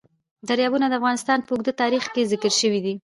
دریابونه د افغانستان په اوږده تاریخ کې ذکر شوی دی.